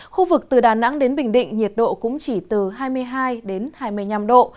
khu vực từ đà nẵng đến bình định nhiệt độ cũng chỉ từ hai mươi hai đến hai mươi năm độ